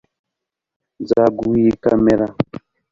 Nzaguha iyi kamera